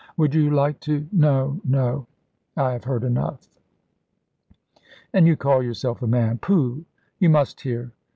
Would you like to ?" "No, no; I have heard enough." "And you call yourself a man pooh! You must hear.